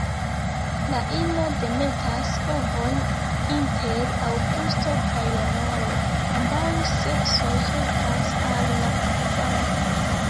La ino demetas ovojn inter aŭgusto kaj januaro; ambaŭ seksoj helpas al la kovado.